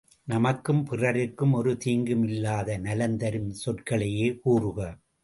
நமக்கும் பிறருக்கும் ஒரு தீங்கும் இல்லாத நலம்தரும் சொற்களையே கூறுக.